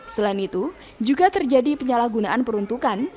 selain itu juga terjadi penyalahgunaan peruntukan